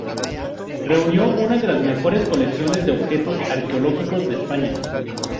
Reunió una de las mejor colecciones de objetos arqueológicos de España.